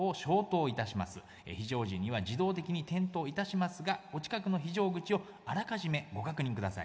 非常時には自動的に点灯いたしますがお近くの非常口をあらかじめご確認下さい。